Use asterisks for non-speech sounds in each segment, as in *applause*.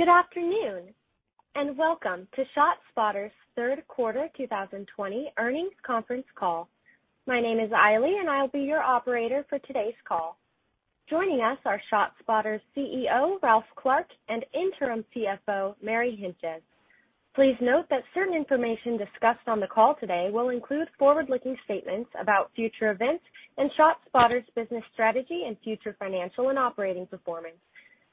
Good afternoon, and welcome to ShotSpotter's third quarter 2020 earnings conference call. My name is Ailey, and I'll be your operator for today's call. Joining us are ShotSpotter's CEO, Ralph Clark, and interim CFO, Mary Hentges. Please note that certain information discussed on the call today will include forward-looking statements about future events and ShotSpotter's business strategy and future financial and operating performance.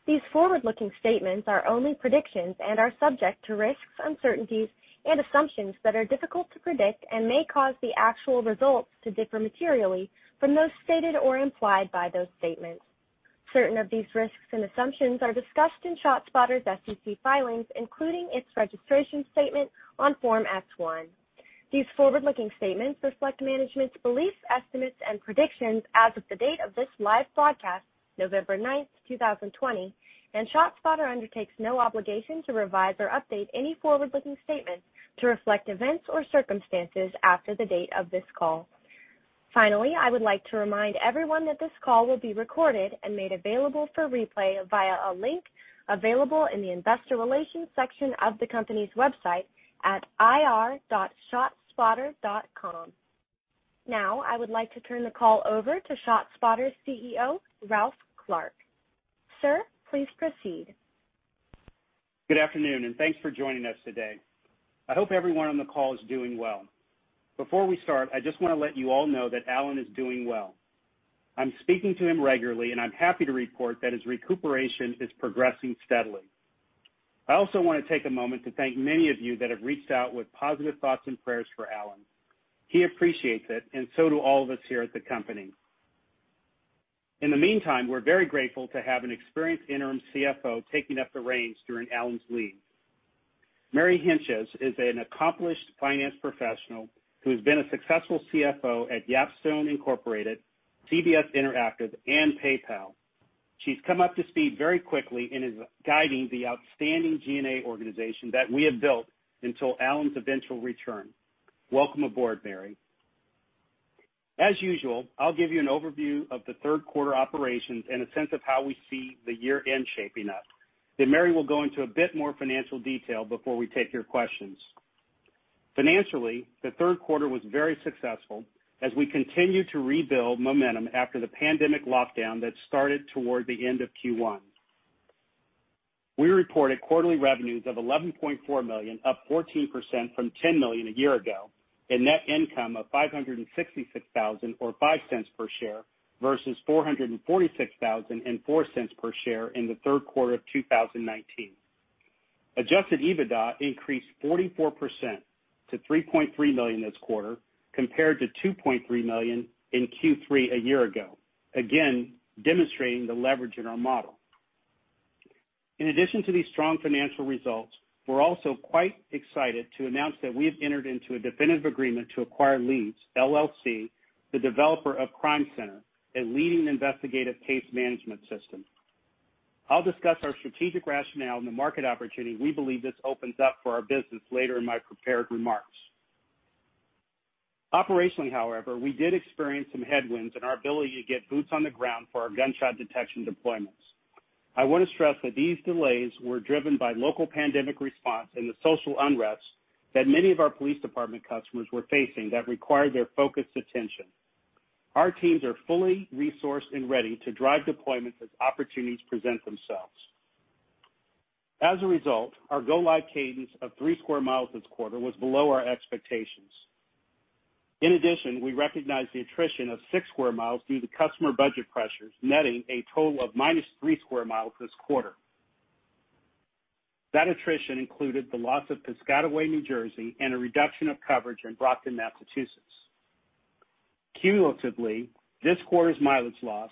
These forward-looking statements are only predictions and are subject to risks, uncertainties, and assumptions that are difficult to predict and may cause the actual results to differ materially from those stated or implied by those statements. Certain of these risks and assumptions are discussed in ShotSpotter's SEC filings, including its registration statement on Form S-1. These forward-looking statements reflect management's beliefs, estimates, and predictions as of the date of this live broadcast, November 9th, 2020, and ShotSpotter undertakes no obligation to revise or update any forward-looking statements to reflect events or circumstances after the date of this call. Finally, I would like to remind everyone that this call will be recorded and made available for replay via a link available in the investor relations section of the company's website at ir.shotspotter.com. Now, I would like to turn the call over to ShotSpotter's CEO, Ralph Clark. Sir, please proceed. Good afternoon. Thanks for joining us today. I hope everyone on the call is doing well. Before we start, I just want to let you all know that Alan is doing well. I'm speaking to him regularly, and I'm happy to report that his recuperation is progressing steadily. I also want to take a moment to thank many of you that have reached out with positive thoughts and prayers for Alan. He appreciates it, and so do all of us here at the company. In the meantime, we're very grateful to have an experienced interim CFO taking up the reins during Alan's leave. Mary Hentges is an accomplished finance professional who has been a successful CFO at Yapstone, Incorporated., CBS Interactive, and PayPal. She's come up to speed very quickly and is guiding the outstanding G&A organization that we have built until Alan's eventual return. Welcome aboard, Mary. As usual, I'll give you an overview of the third quarter operations and a sense of how we see the year-end shaping up. Mary will go into a bit more financial detail before we take your questions. Financially, the third quarter was very successful as we continue to rebuild momentum after the pandemic lockdown that started toward the end of Q1. We reported quarterly revenues of $11.4 million, up 14% from $10 million a year ago, and net income of $566,000 or $0.05 per share, versus $446,000 and $0.04 per share in the third quarter of 2019. Adjusted EBITDA increased 44% to $3.3 million this quarter, compared to $2.3 million in Q3 a year ago, again, demonstrating the leverage in our model. In addition to these strong financial results, we're also quite excited to announce that we have entered into a definitive agreement to acquire Leeds, LLC, the developer of CrimeCenter, a leading investigative case management system. I'll discuss our strategic rationale and the market opportunity we believe this opens up for our business later in my prepared remarks. Operationally, however, we did experience some headwinds in our ability to get boots on the ground for our gunshot detection deployments. I want to stress that these delays were driven by local pandemic response and the social unrest that many of our police department customers were facing that required their focused attention. Our teams are fully resourced and ready to drive deployments as opportunities present themselves. As a result, our go-live cadence of 3 sq mi this quarter was below our expectations. In addition, we recognized the attrition of 6 sq mi due to customer budget pressures, netting a total of -3 sq mi this quarter. That attrition included the loss of Piscataway, New Jersey, and a reduction of coverage in Brockton, Massachusetts. Cumulatively, this quarter's mileage loss,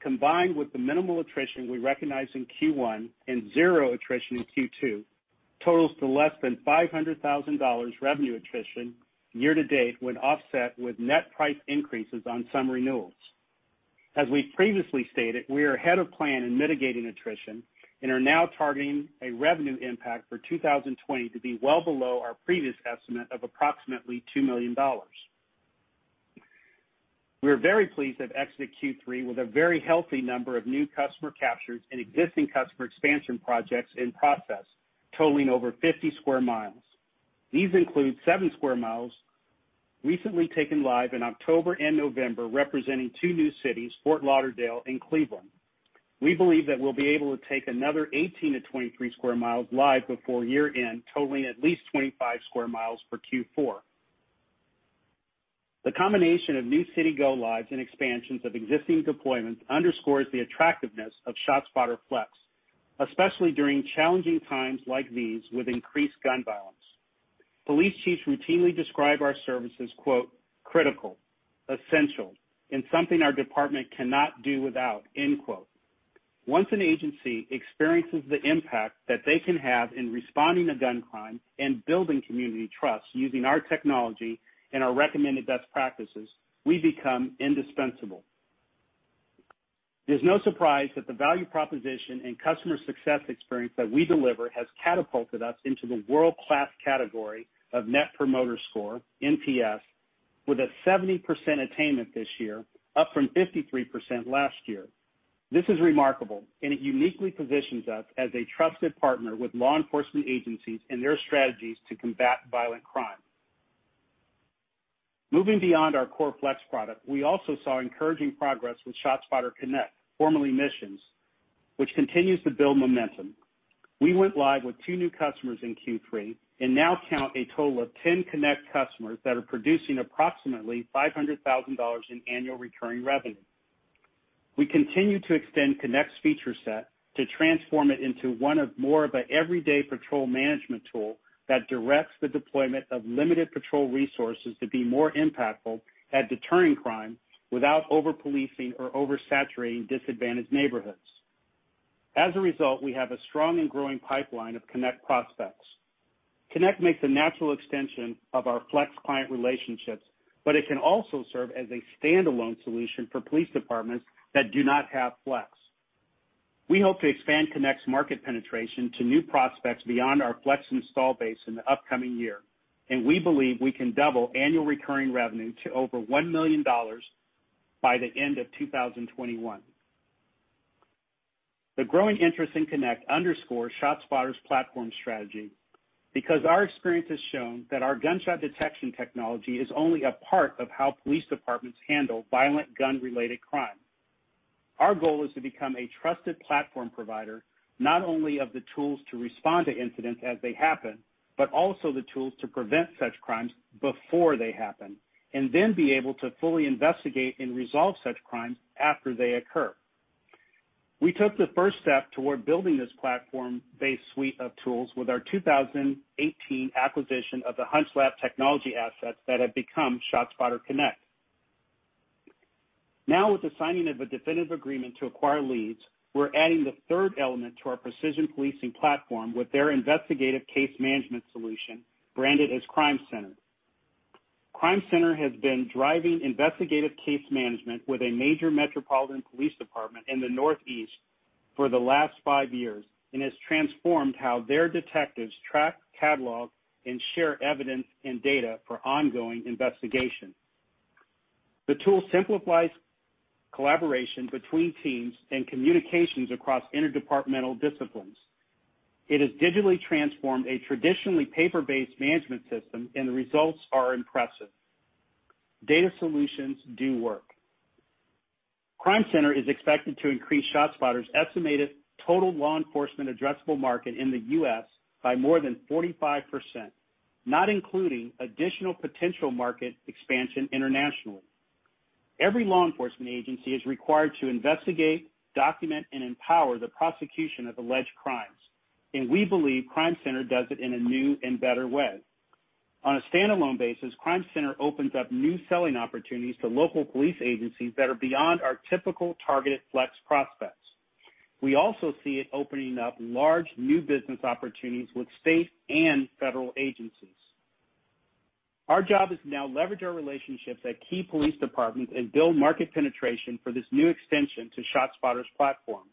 combined with the minimal attrition we recognized in Q1 and 0 attrition in Q2, totals to less than $500,000 revenue attrition year to date when offset with net price increases on some renewals. As we previously stated, we are ahead of plan in mitigating attrition and are now targeting a revenue impact for 2020 to be well below our previous estimate of approximately $2 million. We are very pleased to have exited Q3 with a very healthy number of new customer captures and existing customer expansion projects in process totaling over 50 sq mi. These include 7 sq mi recently taken live in October and November, representing two new cities: Fort Lauderdale and Cleveland. We believe that we'll be able to take another 18-23 sq mi live before year-end, totaling at least 25 sq mi for Q4. The combination of new city go lives and expansions of existing deployments underscores the attractiveness of ShotSpotter Flex, especially during challenging times like these with increased gun violence. Police chiefs routinely describe our service as, "critical, essential, and something our department cannot do without." Once an agency experiences the impact that they can have in responding to gun crime and building community trust using our technology and our recommended best practices, we become indispensable. It is no surprise that the value proposition and customer success experience that we deliver has catapulted us into the world-class category of Net Promoter Score, NPS. With a 70% attainment this year, up from 53% last year. This is remarkable. It uniquely positions us as a trusted partner with law enforcement agencies in their strategies to combat violent crime. Moving beyond our core Flex product, we also saw encouraging progress with ShotSpotter Connect, formerly Missions, which continues to build momentum. We went live with two new customers in Q3, and now count a total of 10 Connect customers that are producing approximately $500,000 in annual recurring revenue. We continue to extend Connect's feature set to transform it into one of more of an everyday patrol management tool that directs the deployment of limited patrol resources to be more impactful at deterring crime without over-policing or oversaturating disadvantaged neighborhoods. As a result, we have a strong and growing pipeline of Connect prospects. Connect makes a natural extension of our Flex client relationships, but it can also serve as a standalone solution for police departments that do not have Flex. We hope to expand Connect's market penetration to new prospects beyond our Flex install base in the upcoming year, and we believe we can double annual recurring revenue to over $1 million by the end of 2021. The growing interest in Connect underscores ShotSpotter's platform strategy because our experience has shown that our gunshot detection technology is only a part of how police departments handle violent gun-related crime. Our goal is to become a trusted platform provider, not only of the tools to respond to incidents as they happen, but also the tools to prevent such crimes before they happen, and then be able to fully investigate and resolve such crimes after they occur. We took the first step toward building this platform-based suite of tools with our 2018 acquisition of the HunchLab technology assets that have become ShotSpotter Connect. Now, with the signing of a definitive agreement to acquire Leeds, we're adding the third element to our precision policing platform with their investigative case management solution, branded as CrimeCenter. CrimeCenter has been driving investigative case management with a major metropolitan police department in the Northeast for the last five years and has transformed how their detectives track, catalog, and share evidence and data for ongoing investigation. The tool simplifies collaboration between teams and communications across interdepartmental disciplines. It has digitally transformed a traditionally paper-based management system, and the results are impressive. Data solutions do work. CrimeCenter is expected to increase ShotSpotter's estimated total law enforcement addressable market in the U.S. by more than 45%, not including additional potential market expansion internationally. Every law enforcement agency is required to investigate, document, and empower the prosecution of alleged crimes. We believe CrimeCenter does it in a new and better way. On a standalone basis, CrimeCenter opens up new selling opportunities to local police agencies that are beyond our typical targeted Flex prospects. We also see it opening up large, new business opportunities with state and federal agencies. Our job is now leverage our relationships at key police departments and build market penetration for this new extension to ShotSpotter's platform.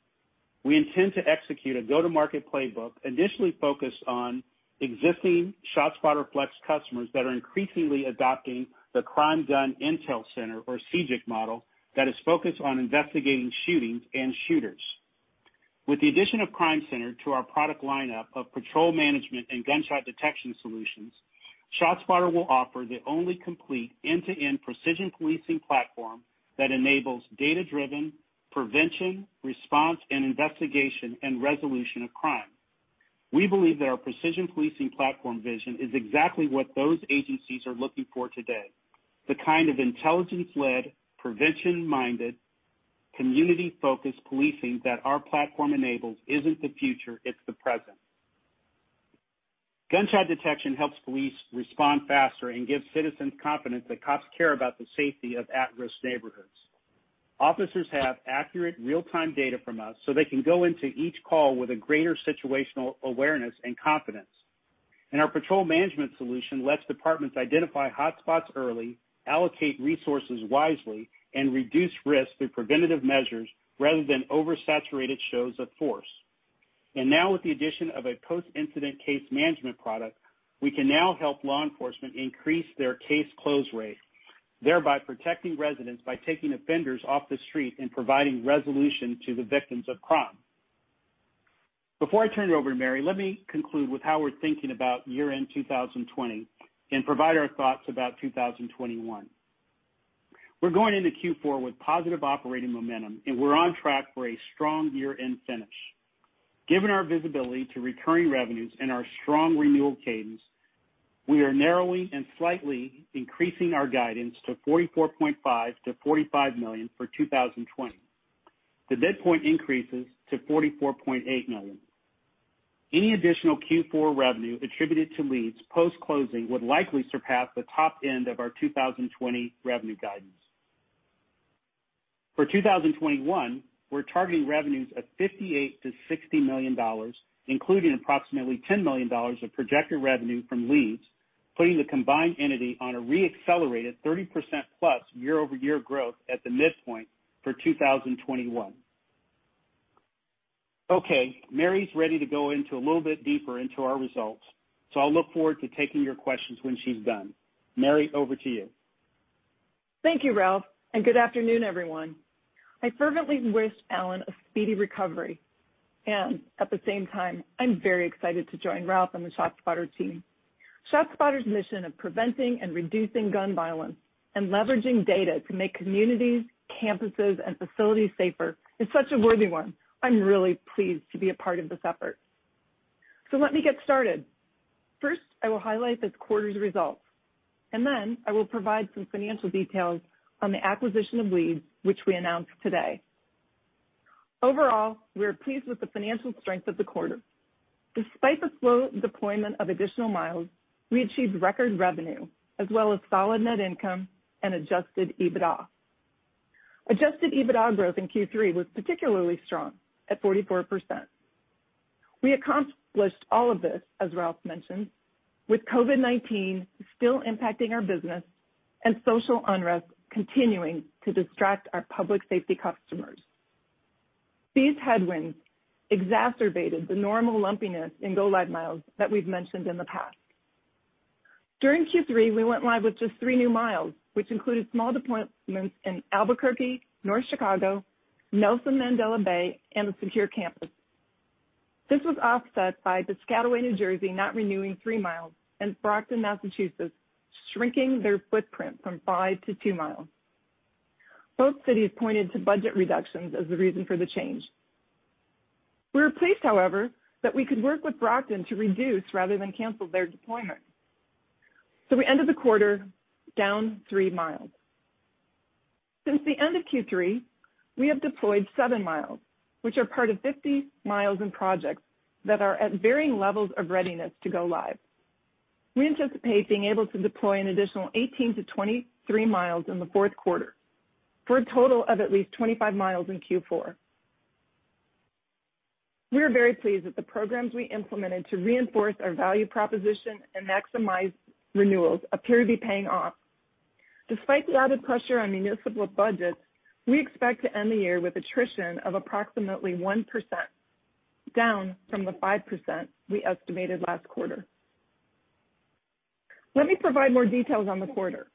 We intend to execute a go-to-market playbook initially focused on existing ShotSpotter Flex customers that are increasingly adopting the Crime Gun Intel Center, or CGIC model, that is focused on investigating shootings and shooters. With the addition of CrimeCenter to our product lineup of patrol management and gunshot detection solutions, ShotSpotter will offer the only complete end-to-end precision policing platform that enables data-driven prevention, response, and investigation, and resolution of crime. We believe that our precision policing platform vision is exactly what those agencies are looking for today. The kind of intelligence-led, prevention-minded, community-focused policing that our platform enables isn't the future, it's the present. Gunshot detection helps police respond faster and gives citizens confidence that cops care about the safety of at-risk neighborhoods. Officers have accurate real-time data from us, so they can go into each call with a greater situational awareness and confidence. Our patrol management solution lets departments identify hotspots early, allocate resources wisely, and reduce risk through preventative measures rather than oversaturated shows of force. Now with the addition of a post-incident case management product, we can now help law enforcement increase their case close rate, thereby protecting residents by taking offenders off the street and providing resolution to the victims of crime. Before I turn it over to Mary, let me conclude with how we're thinking about year-end 2020 and provide our thoughts about 2021. We're going into Q4 with positive operating momentum, and we're on track for a strong year-end finish. Given our visibility to recurring revenues and our strong renewal cadence, we are narrowing and slightly increasing our guidance to $44.5 million-$45 million for 2020. The midpoint increases to $44.8 million. Any additional Q4 revenue attributed to Leeds post-closing would likely surpass the top end of our 2020 revenue guidance. For 2021, we're targeting revenues of $58 million-$60 million, including approximately $10 million of projected revenue from Leeds, putting the combined entity on a re-accelerated 30%+ year-over-year growth at the midpoint for 2021. Mary's ready to go into a little bit deeper into our results. I'll look forward to taking your questions when she's done. Mary, over to you. Thank you, Ralph, and good afternoon, everyone. I fervently wish Alan a speedy recovery, and at the same time, I'm very excited to join Ralph and the ShotSpotter team. ShotSpotter's mission of preventing and reducing gun violence and leveraging data to make communities, campuses, and facilities safer is such a worthy one. I'm really pleased to be a part of this effort. Let me get started. First, I will highlight this quarter's results, and then I will provide some financial details on the acquisition of Leeds, which we announced today. Overall, we are pleased with the financial strength of the quarter. Despite the slow deployment of additional miles, we achieved record revenue as well as solid net income and adjusted EBITDA. Adjusted EBITDA growth in Q3 was particularly strong, at 44%. We accomplished all of this, as Ralph mentioned, with COVID-19 still impacting our business and social unrest continuing to distract our public safety customers. These headwinds exacerbated the normal lumpiness in go live miles that we've mentioned in the past. During Q3, we went live with just three new miles, which included small deployments in Albuquerque, North Chicago, Nelson Mandela Bay, and a secure campus. This was offset by Piscataway, New Jersey, not renewing 3 mi and Brockton, Massachusetts, shrinking their footprint from 5 to 2 mi. Both cities pointed to budget reductions as the reason for the change. We were pleased, however, that we could work with Brockton to reduce rather than cancel their deployment. We ended the quarter down 3 mi. Since the end of Q3, we have deployed 7 mi, which are part of 50 mi in projects that are at varying levels of readiness to go live. We anticipate being able to deploy an additional 18-23 mi in the fourth quarter for a total of at least 25 mi in Q4. We are very pleased that the programs we implemented to reinforce our value proposition and maximize renewals appear to be paying off. Despite the added pressure on municipal budgets, we expect to end the year with attrition of approximately 1%, down from the 5% we estimated last quarter. Let me provide more details on the quarter.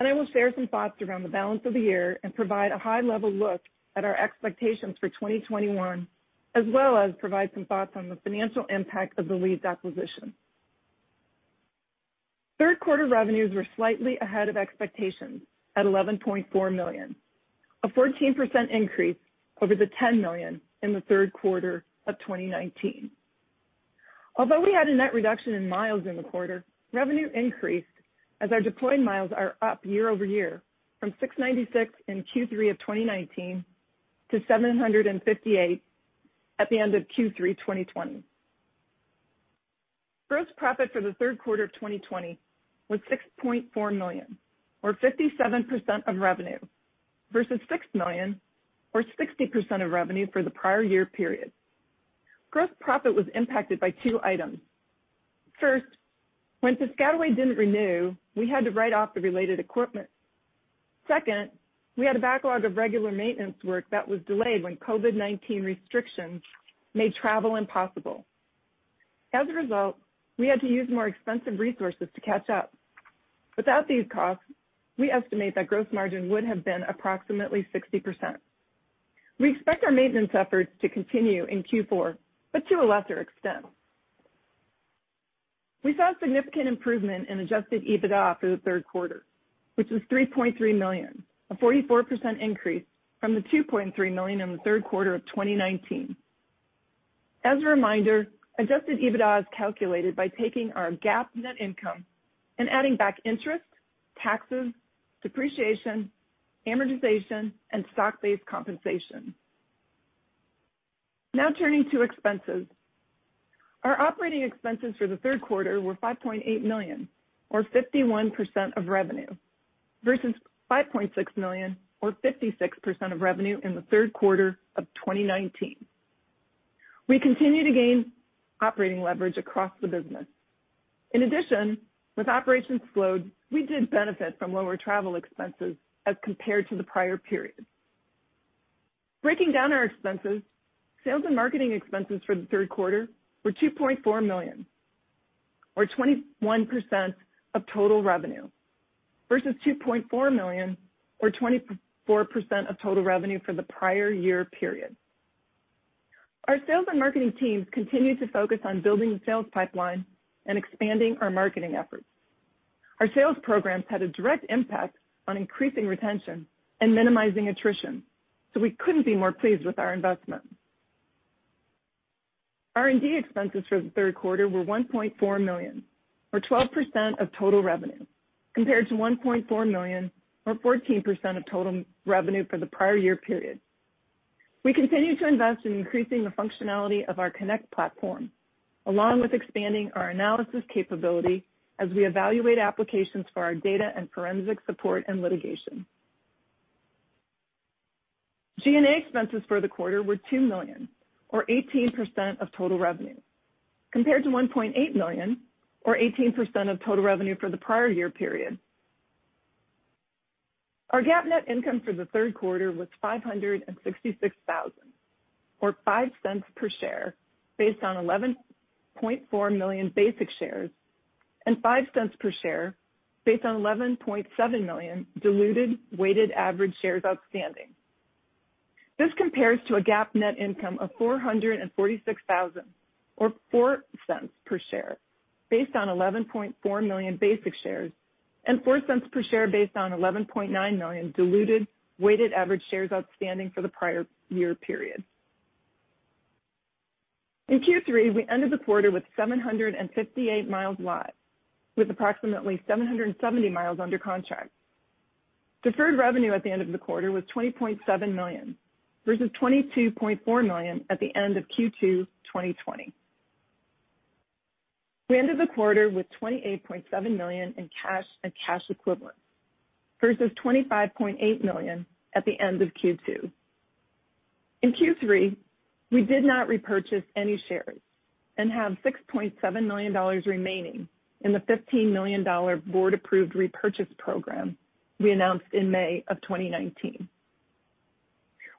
I will share some thoughts around the balance of the year and provide a high-level look at our expectations for 2021, as well as provide some thoughts on the financial impact of the Leeds acquisition. Third quarter revenues were slightly ahead of expectations at $11.4 million, a 14% increase over the $10 million in the third quarter of 2019. Although we had a net reduction in miles in the quarter, revenue increased as our deployed miles are up year-over-year from 696 mi in Q3 of 2019 to 758 mi at the end of Q3 2020. Gross profit for the third quarter of 2020 was $6.4 million or 57% of revenue versus $6 million or 60% of revenue for the prior year period. Gross profit was impacted by two items. First, when Piscataway didn't renew, we had to write off the related equipment. Second, we had a backlog of regular maintenance work that was delayed when COVID-19 restrictions made travel impossible. As a result, we had to use more expensive resources to catch up. Without these costs, we estimate that gross margin would have been approximately 60%. We expect our maintenance efforts to continue in Q4, but to a lesser extent. We saw significant improvement in adjusted EBITDA for the third quarter, which was $3.3 million, a 44% increase from the $2.3 million in the third quarter of 2019. As a reminder, adjusted EBITDA is calculated by taking our GAAP net income and adding back interest, taxes, depreciation, amortization, and stock-based compensation. Now turning to expenses. Our operating expenses for the third quarter were $5.8 million or 51% of revenue, versus $5.6 million or 56% of revenue in the third quarter of 2019. We continue to gain operating leverage across the business. In addition, with operations slowed, we did benefit from lower travel expenses as compared to the prior period. Breaking down our expenses, sales and marketing expenses for the third quarter were $2.4 million or 21% of total revenue versus $2.4 million or 24% of total revenue for the prior-year period. Our sales and marketing teams continue to focus on building the sales pipeline and expanding our marketing efforts. We couldn't be more pleased with our investment. R&D expenses for the third quarter were $1.4 million or 12% of total revenue, compared to $1.4 million or 14% of total revenue for the prior-year period. We continue to invest in increasing the functionality of our Connect platform along with expanding our analysis capability as we evaluate applications for our data and forensic support and litigation. G&A expenses for the quarter were $2 million or 18% of total revenue compared to $1.8 million or 18% of total revenue for the prior year period. Our GAAP net income for the third quarter was $566,000, or $0.05 per share based on 11.4 million basic shares, and $0.05 per share based on 11.7 million diluted weighted average shares outstanding. This compares to a GAAP net income of $446,000, or $0.04 per share based on 11.4 million basic shares, and $0.04 per share based on 11.9 million diluted weighted average shares outstanding for the prior year period. In Q3, we ended the quarter with 758 mi live, with approximately 770 mi under contract. Deferred revenue at the end of the quarter was $20.7 million, versus $22.4 million at the end of Q2 2020. We ended the quarter with $28.7 million in cash and cash equivalents, versus $25.8 million at the end of Q2. In Q3, we did not repurchase any shares and have $6.7 million remaining in the $15 million board-approved repurchase program we announced in May of 2019.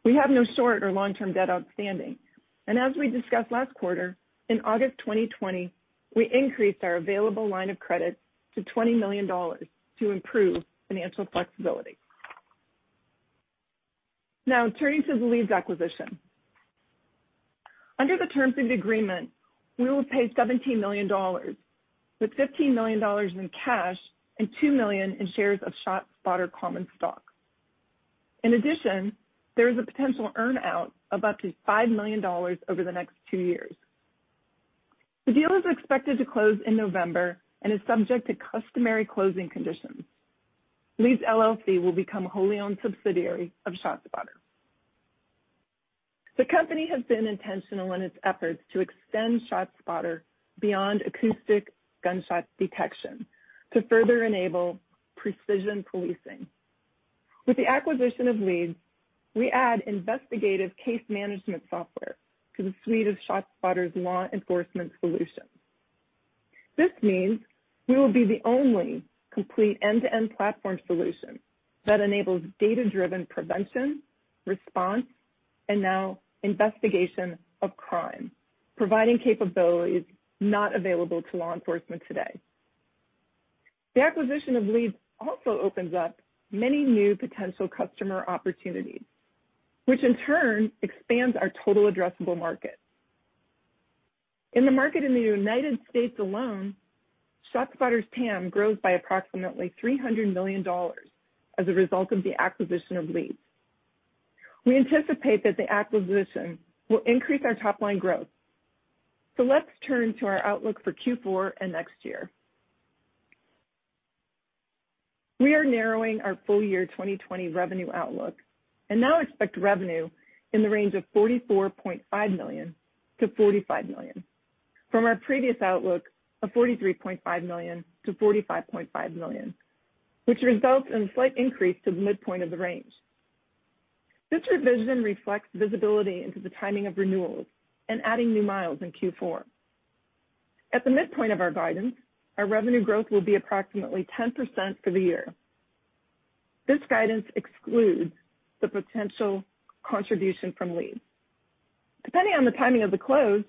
We have no short or long-term debt outstanding, as we discussed last quarter, in August 2020, we increased our available line of credit to $20 million to improve financial flexibility. Now turning to the Leeds acquisition. Under the terms of the agreement, we will pay $17 million, with $15 million in cash and $2 million in shares of ShotSpotter common stock. In addition, there is a potential earn-out of up to $5 million over the next two years. The deal is expected to close in November and is subject to customary closing conditions. Leeds LLC will become a wholly-owned subsidiary of ShotSpotter. The company has been intentional in its efforts to extend ShotSpotter beyond acoustic gunshot detection to further enable precision policing. With the acquisition of Leeds, we add investigative case management software to the suite of ShotSpotter's law enforcement solutions. This means we will be the only complete end-to-end platform solution that enables data-driven prevention, response, and now investigation of crime, providing capabilities not available to law enforcement today. The acquisition of Leeds also opens up many new potential customer opportunities, which in turn expands our total addressable market. In the market in the U.S. alone, ShotSpotter's TAM grows by approximately $300 million as a result of the acquisition of Leeds. We anticipate that the acquisition will increase our top-line growth. Let's turn to our outlook for Q4 and next year. We are narrowing our full year 2020 revenue outlook and now expect revenue in the range of $44.5 million-$45 million from our previous outlook of $43.5 million-$45.5 million, which results in a slight increase to the midpoint of the range. This revision reflects visibility into the timing of renewals and adding new miles in Q4. At the midpoint of our guidance, our revenue growth will be approximately 10% for the year. This guidance excludes the potential contribution from Leeds. Depending on the timing of the close,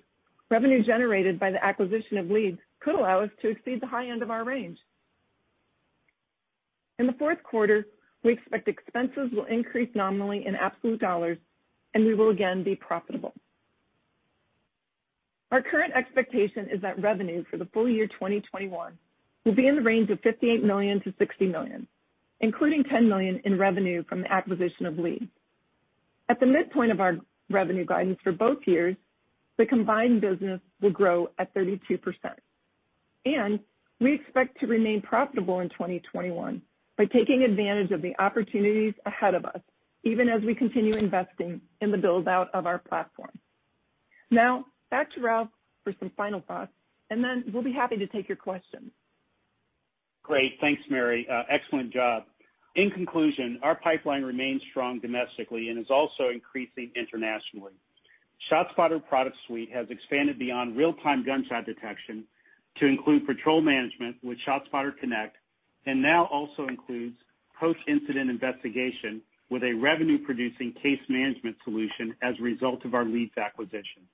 revenue generated by the acquisition of Leeds could allow us to exceed the high end of our range. In the fourth quarter, we expect expenses will increase nominally in absolute dollars, and we will again be profitable. Our current expectation is that revenue for the full year 2021 will be in the range of $58 million-$60 million, including $10 million in revenue from the acquisition of Leeds. At the midpoint of our revenue guidance for both years, the combined business will grow at 32%, and we expect to remain profitable in 2021 by taking advantage of the opportunities ahead of us, even as we continue investing in the build-out of our platform. Now, back to Ralph for some final thoughts, and then we'll be happy to take your questions. Great. Thanks, Mary. Excellent job. In conclusion, our pipeline remains strong domestically and is also increasing internationally. ShotSpotter product suite has expanded beyond real-time gunshot detection to include patrol management with ShotSpotter Connect, and now also includes post-incident investigation with a revenue-producing case management solution as a result of our Leeds acquisition.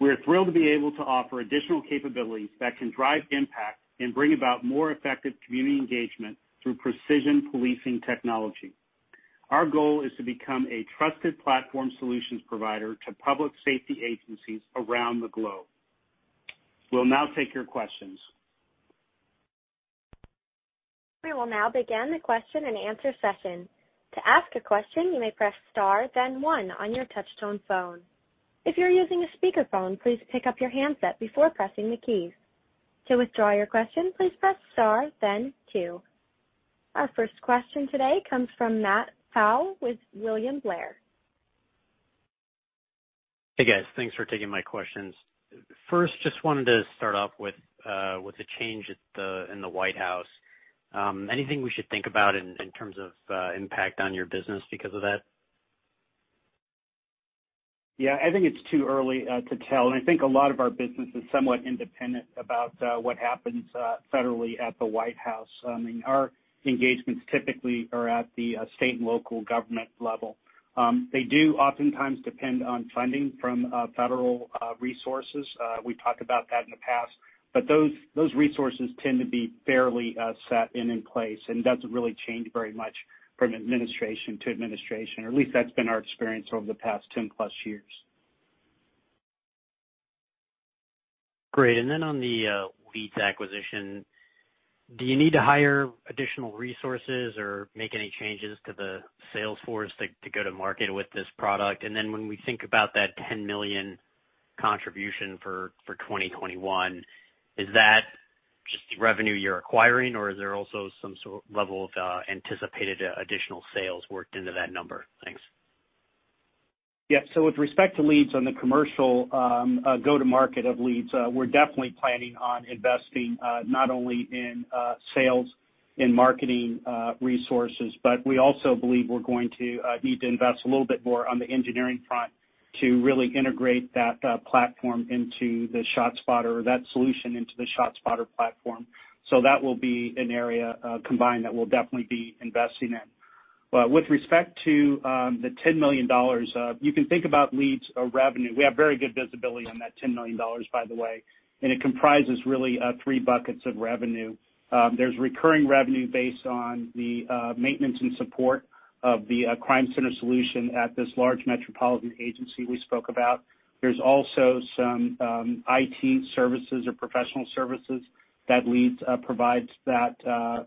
We're thrilled to be able to offer additional capabilities that can drive impact and bring about more effective community engagement through precision policing technology. Our goal is to become a trusted platform solutions provider to public safety agencies around the globe. We'll now take your questions. We will now begin the question and answer session. To ask a question, you may press star then one on your touch-tone phone. If you're using a speakerphone, please pick up your handset before pressing the keys. To withdraw your question, please press star then two. Our first question today comes from Matt Pfau with William Blair. Hey, guys. Thanks for taking my questions. First, just wanted to start off with the change in the White House. Anything we should think about in terms of impact on your business because of that? Yeah, I think it's too early to tell, and I think a lot of our business is somewhat independent about what happens federally at the White House. Our engagements typically are at the state and local government level. They do oftentimes depend on funding from federal resources. We talked about that in the past, but those resources tend to be fairly set and in place, and doesn't really change very much from administration to administration. At least that's been our experience over the past 10+ years. Great. On the Leeds acquisition, do you need to hire additional resources or make any changes to the sales force to go to market with this product? When we think about that $10 million contribution for 2021, is that just revenue you're acquiring or is there also some sort of level of anticipated additional sales worked into that number? Thanks. Yeah. With respect to Leeds on the commercial go-to-market of Leeds, we're definitely planning on investing, not only in sales and marketing resources, but we also believe we're going to need to invest a little bit more on the engineering front to really integrate that platform into the ShotSpotter, or that solution into the ShotSpotter platform. That will be an area combined that we'll definitely be investing in. With respect to the $10 million, you can think about Leeds or revenue. We have very good visibility on that $10 million, by the way, and it comprises really three buckets of revenue. There's recurring revenue based on the maintenance and support of the CrimeCenter solution at this large metropolitan agency we spoke about. There's also some IT services or professional services that Leeds provides that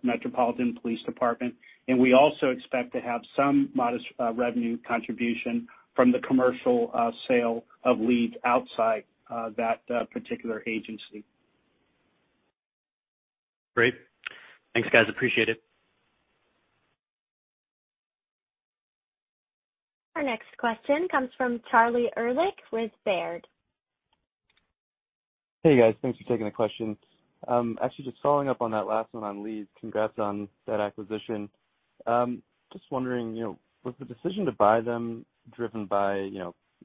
metropolitan police department. We also expect to have some modest revenue contribution from the commercial sale of Leeds outside that particular agency. Great. Thanks, guys. Appreciate it. Our next question comes from Charlie Erlikh with Baird. Hey, guys. Thanks for taking the question. Actually, just following up on that last one on Leeds, congrats on that acquisition. Just wondering, was the decision to buy them driven by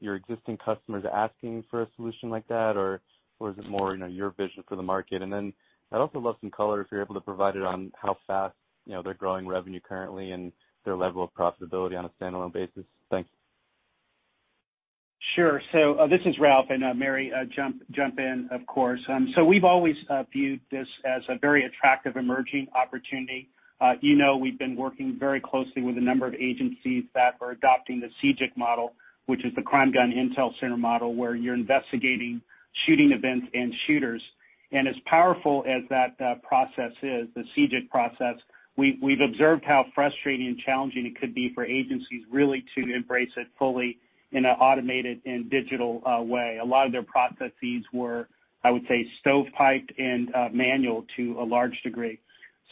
your existing customers asking for a solution like that, or was it more your vision for the market? I'd also love some color, if you're able to provide it, on how fast they're growing revenue currently and their level of profitability on a standalone basis. Thanks. Sure. This is Ralph, and Mary, jump in, of course. We've always viewed this as a very attractive emerging opportunity. You know we've been working very closely with a number of agencies that are adopting the CGIC model, which is the Crime Gun Intelligence Center model, where you're investigating shooting events and shooters. As powerful as that process is, the CGIC process, we've observed how frustrating and challenging it could be for agencies really to embrace it fully in an automated and digital way. A lot of their processes were, I would say, stovepiped and manual to a large degree.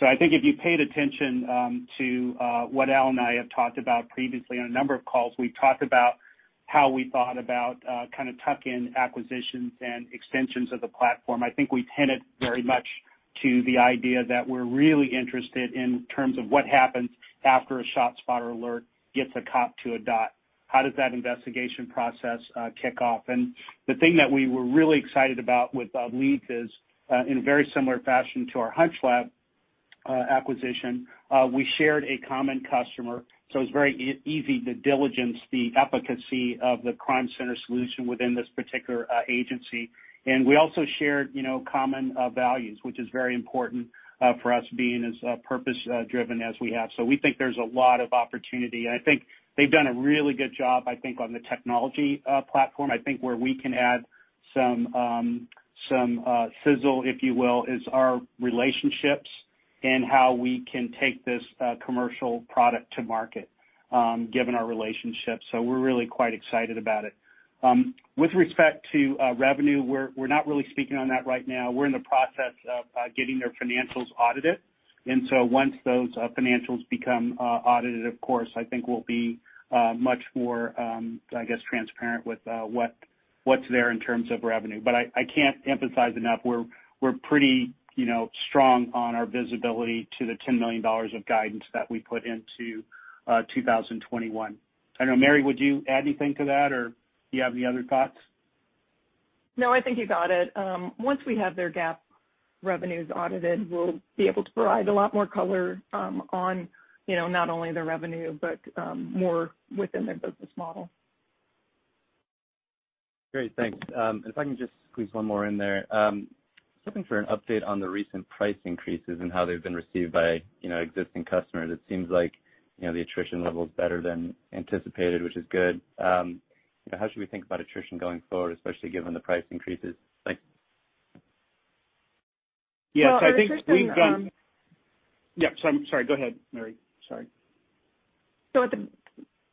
I think if you paid attention to what Al and I have talked about previously on a number of calls, we've talked about how we thought about tuck-in acquisitions and extensions of the platform. I think we tended very much to the idea that we're really interested in terms of what happens after a ShotSpotter alert gets a cop to a dot. How does that investigation process kick off? The thing that we were really excited about with Leeds is, in a very similar fashion to our HunchLab acquisition, we shared a common customer, so it was very easy to diligence the efficacy of the CrimeCenter solution within this particular agency. We also shared common values, which is very important for us being as purpose-driven as we have. We think there's a lot of opportunity, and I think they've done a really good job on the technology platform. I think where we can add some sizzle, if you will, is our relationships and how we can take this commercial product to market given our relationships. We're really quite excited about it. With respect to revenue, we're not really speaking on that right now. We're in the process of getting their financials audited, once those financials become audited, of course, I think we'll be much more transparent with what's there in terms of revenue. I can't emphasize enough, we're pretty strong on our visibility to the $10 million of guidance that we put into 2021. I don't know, Mary, would you add anything to that, or do you have any other thoughts? No, I think you got it. Once we have their GAAP revenues audited, we'll be able to provide a lot more color on not only their revenue, but more within their business model. Great. Thanks. If I can just squeeze one more in there. Just looking for an update on the recent price increases and how they've been received by existing customers. It seems like the attrition level's better than anticipated, which is good. How should we think about attrition going forward, especially given the price increases? Thanks. Yes, I think we've done. *crosstalk* Yeah, sorry. Go ahead, Mary. Sorry. At the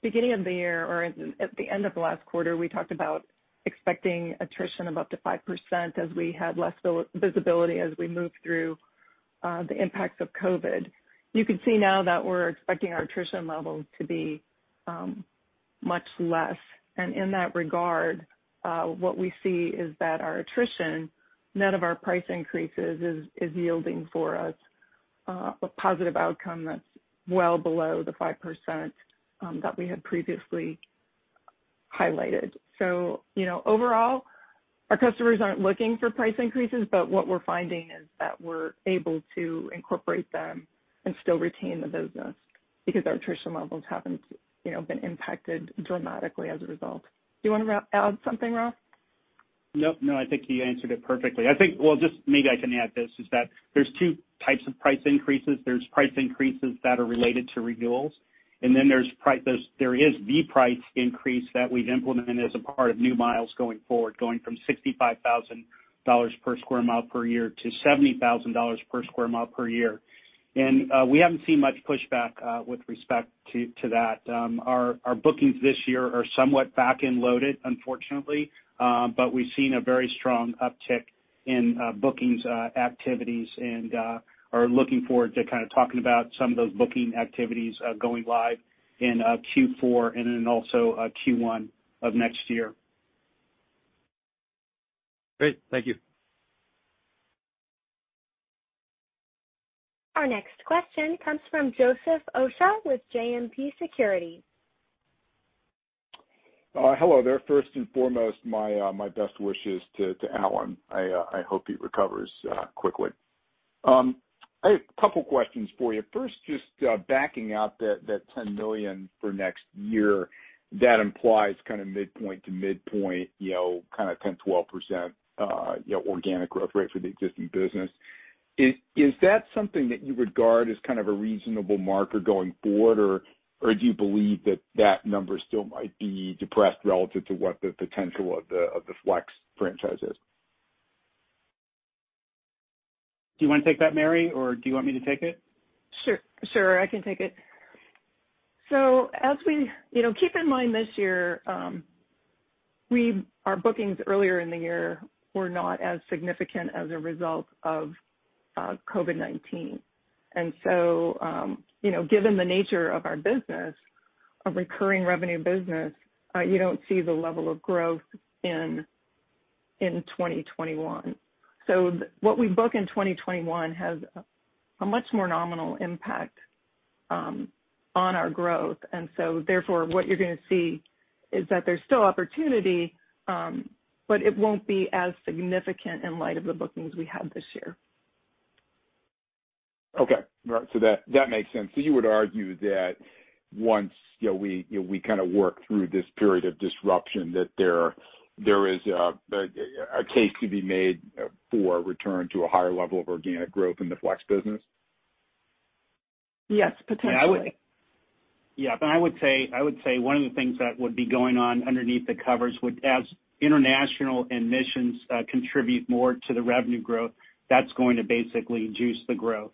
beginning of the year, or at the end of last quarter, we talked about expecting attrition of up to 5% as we had less visibility as we moved through the impacts of COVID. You can see now that we're expecting our attrition level to be much less. In that regard, what we see is that our attrition, none of our price increases is yielding for us a positive outcome that's well below the 5% that we had previously highlighted. Overall, our customers aren't looking for price increases, but what we're finding is that we're able to incorporate them and still retain the business because our attrition levels haven't been impacted dramatically as a result. Do you want to add something, Ralph? No, I think you answered it perfectly. Well, just maybe I can add this, is that there's two types of price increases. There's price increases that are related to renewals, and then there is the price increase that we've implemented as a part of new miles going forward, going from $65,000 per sq mi per year to $70,000 per sq mi per year. We haven't seen much pushback with respect to that. Our bookings this year are somewhat back-end loaded, unfortunately. We've seen a very strong uptick in bookings activities and are looking forward to kind of talking about some of those booking activities going live in Q4 and in also Q1 of next year. Great. Thank you. Our next question comes from Joseph Osha with JMP Securities. Hello there. First and foremost, my best wishes to Alan. I hope he recovers quickly. I have a couple questions for you. First, just backing out that $10 million for next year, that implies kind of midpoint to midpoint, kind of 10%-12% organic growth rate for the existing business. Is that something that you regard as kind of a reasonable marker going forward? Do you believe that that number still might be depressed relative to what the potential of the Flex franchise is? Do you want to take that, Mary, or do you want me to take it? Sure. I can take it. Keep in mind this year, our bookings earlier in the year were not as significant as a result of COVID-19. Given the nature of our business, a recurring revenue business, you don't see the level of growth in 2021. What we book in 2021 has a much more nominal impact on our growth. Therefore, what you're going to see is that there's still opportunity, but it won't be as significant in light of the bookings we had this year. Okay. That makes sense. You would argue that once we kind of work through this period of disruption, that there is a case to be made for a return to a higher level of organic growth in the Flex business? Yes, potentially. Yeah. I would say one of the things that would be going on underneath the covers would, as international and Missions contribute more to the revenue growth, that's going to basically juice the growth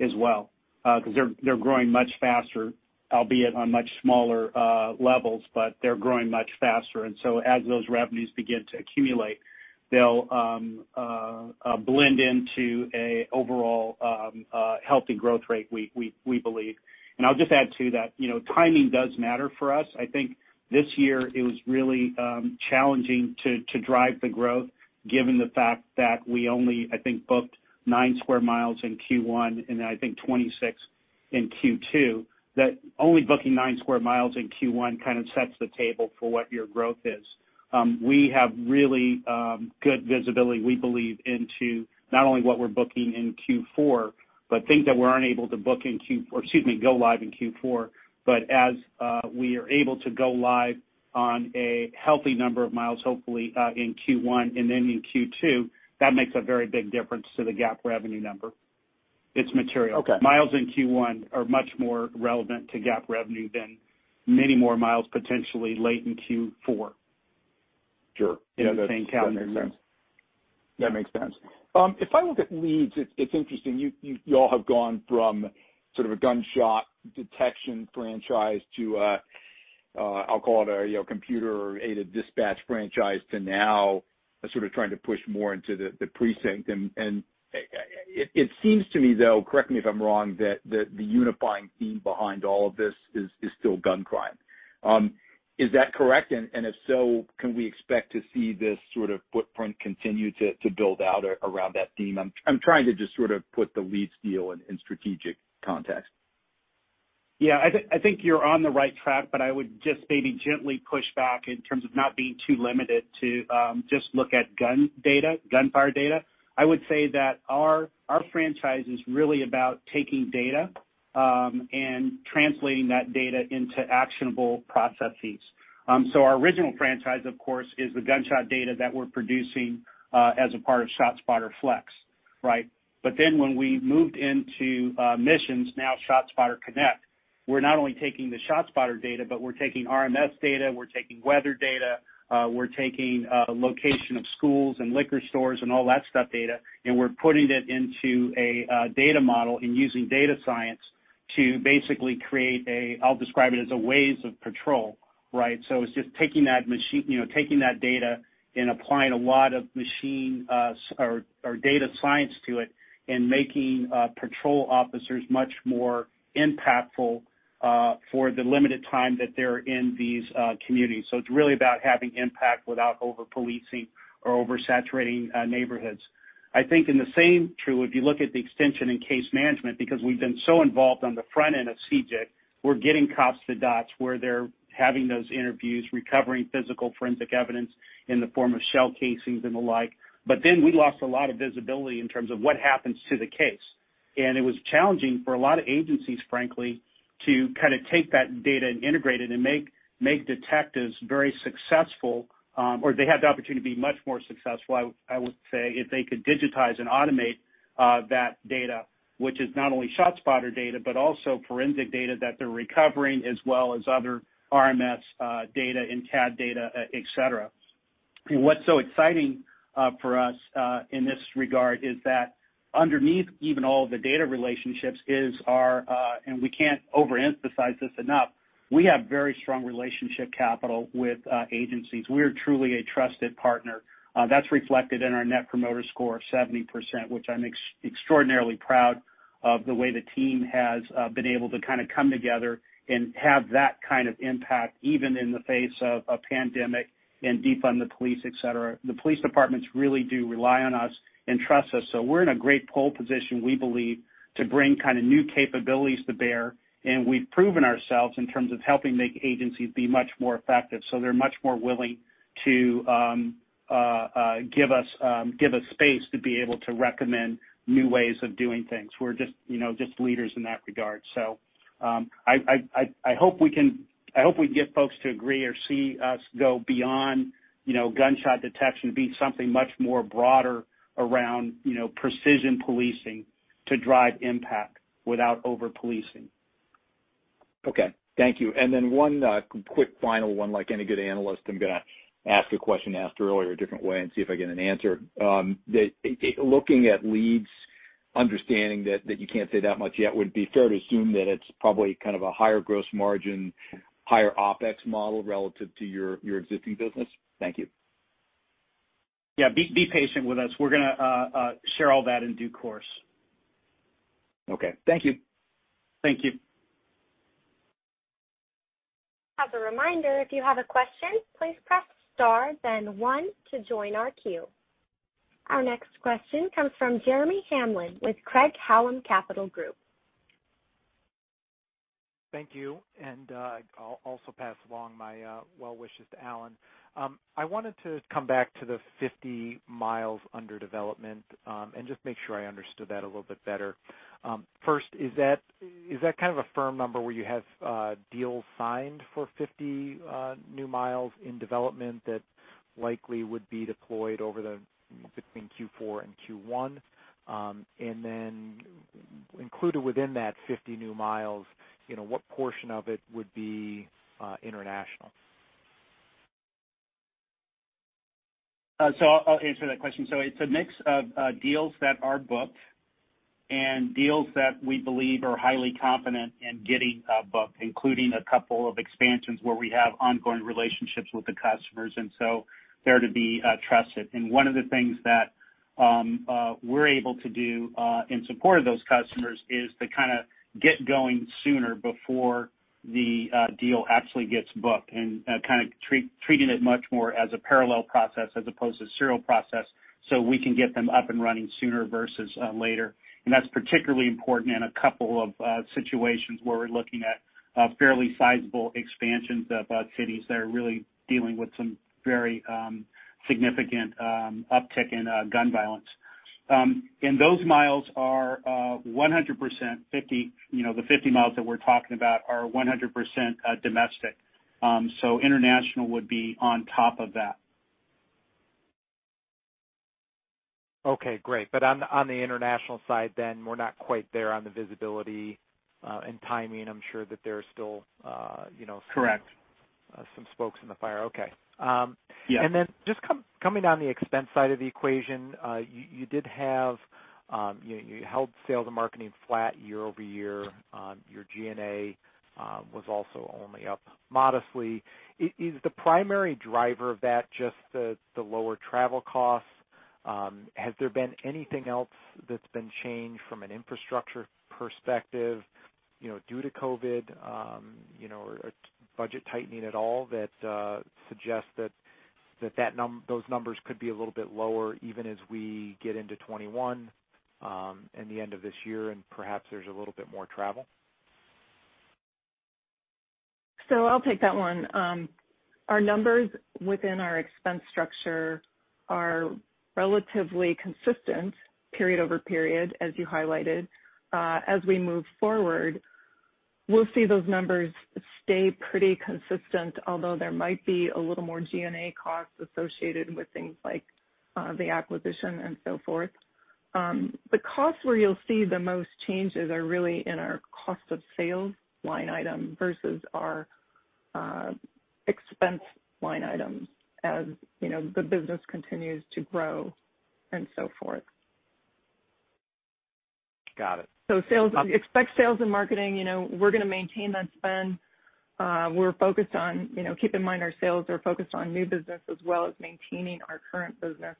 as well. Because they're growing much faster, albeit on much smaller levels, but they're growing much faster. As those revenues begin to accumulate, they'll blend into an overall healthy growth rate, we believe. I'll just add, too, that timing does matter for us. I think this year it was really challenging to drive the growth given the fact that we only, I think, booked 9 sq mi in Q1 and then I think 26 in Q2. That only booking 9 sq mi in Q1 kind of sets the table for what your growth is. We have really good visibility, we believe, into not only what we're booking in Q4, but things that we're unable to go live in Q4. As we are able to go live on a healthy number of miles, hopefully in Q1 and then in Q2, that makes a very big difference to the GAAP revenue number. It's material. Okay. Miles in Q1 are much more relevant to GAAP revenue than many more miles potentially late in Q4. Sure. In the same calendar year. That makes sense. If I look at Leeds, it's interesting. You all have gone from sort of a gunshot detection franchise to, I'll call it a computer-aided dispatch franchise, to now sort of trying to push more into the precinct. It seems to me, though, correct me if I'm wrong, that the unifying theme behind all of this is still gun crime. Is that correct? If so, can we expect to see this sort of footprint continue to build out around that theme? I'm trying to just sort of put the Leeds deal in strategic context. Yeah, I think you're on the right track, but I would just maybe gently push back in terms of not being too limited to just look at gun data, gunfire data. I would say that our franchise is really about taking data and translating that data into actionable processes. Our original franchise, of course, is the gunshot data that we're producing as a part of ShotSpotter Flex. When we moved into ShotSpotter Missions, now ShotSpotter Connect, we're not only taking the ShotSpotter data, but we're taking RMS data, we're taking weather data, we're taking location of schools and liquor stores and all that stuff data, and we're putting it into a data model and using data science to basically create I'll describe it as a Waze of patrol. It's just taking that data and applying a lot of machine or data science to it, and making patrol officers much more impactful for the limited time that they're in these communities. It's really about having impact without over-policing or over-saturating neighborhoods. I think in the same true, if you look at the extension in case management, because we've been so involved on the front end of CGIC, we're getting cops the dots where they're having those interviews, recovering physical forensic evidence in the form of shell casings and the like. We lost a lot of visibility in terms of what happens to the case. It was challenging for a lot of agencies, frankly, to kind of take that data and integrate it and make detectives very successful. They had the opportunity to be much more successful, I would say, if they could digitize and automate that data, which is not only ShotSpotter data, but also forensic data that they're recovering, as well as other RMS data and CAD data, et cetera. What's so exciting for us in this regard is that underneath even all the data relationships is our, and we can't overemphasize this enough, we have very strong relationship capital with agencies. We are truly a trusted partner. That's reflected in our Net Promoter Score of 70%, which I'm extraordinarily proud of the way the team has been able to kind of come together and have that kind of impact, even in the face of a pandemic and defund the police, et cetera. The police departments really do rely on us and trust us, so we're in a great pole position, we believe, to bring kind of new capabilities to bear. We've proven ourselves in terms of helping make agencies be much more effective, so they're much more willing to give us space to be able to recommend new ways of doing things. We're just leaders in that regard. I hope we get folks to agree or see us go beyond gunshot detection, be something much more broader around precision policing to drive impact without over-policing. Okay. Thank you. Then one quick final one. Like any good analyst, I'm going to ask a question asked earlier a different way and see if I get an answer. Looking at Leeds, understanding that you can't say that much yet, would it be fair to assume that it's probably kind of a higher gross margin, higher OpEx model relative to your existing business? Thank you. Yeah. Be patient with us. We're going to share all that in due course. Okay. Thank you. Thank you. As a reminder, if you have a question, please press star then one to join our queue. Our next question comes from Jeremy Hamblin with Craig-Hallum Capital Group. Thank you. I'll also pass along my well wishes to Alan. I wanted to come back to the 50 mi under development, and just make sure I understood that a little bit better. First, is that kind of a firm number where you have deals signed for 50 new miles in development that likely would be deployed between Q4 and Q1? Included within that 50 new miles, what portion of it would be international? I'll answer that question. It's a mix of deals that are booked and deals that we believe are highly confident in getting booked, including a couple of expansions where we have ongoing relationships with the customers, and so they're to be trusted. One of the things that we're able to do in support of those customers is to kind of get going sooner before the deal actually gets booked, and kind of treating it much more as a parallel process as opposed to serial process, so we can get them up and running sooner versus later. That's particularly important in a couple of situations where we're looking at fairly sizable expansions of cities that are really dealing with some very significant uptick in gun violence. Those miles are 100%, the 50 mi that we're talking about are 100% domestic. International would be on top of that. Okay, great. On the international side, we're not quite there on the visibility and timing. Correct. I'm sure that there's still some spokes in the fire. Okay. Yeah. Just coming down the expense side of the equation, you held sales and marketing flat year-over-year. Your G&A was also only up modestly. Is the primary driver of that just the lower travel costs? Has there been anything else that's been changed from an infrastructure perspective due to COVID, or budget tightening at all that suggests that those numbers could be a little bit lower even as we get into 2021, and the end of this year, and perhaps there's a little bit more travel? I'll take that one. Our numbers within our expense structure are relatively consistent period over period, as you highlighted. As we move forward, we'll see those numbers stay pretty consistent, although there might be a little more G&A costs associated with things like the acquisition and so forth. The costs where you'll see the most changes are really in our cost of sales line item versus our expense line items, as the business continues to grow and so forth. Got it. Expect sales and marketing, we're going to maintain that spend. Keep in mind our sales are focused on new business as well as maintaining our current business.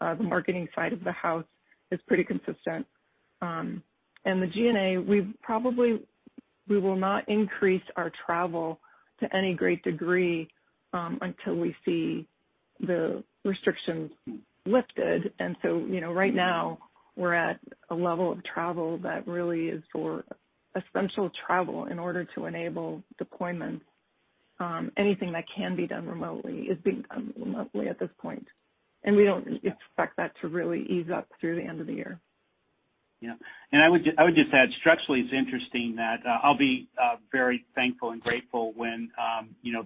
The marketing side of the house is pretty consistent. The G&A, we will not increase our travel to any great degree until we see the restrictions lifted. Right now we're at a level of travel that really is for essential travel in order to enable deployments. Anything that can be done remotely is being done remotely at this point, and we don't expect that to really ease up through the end of the year. Yeah. I would just add, structurally, it's interesting that I'll be very thankful and grateful when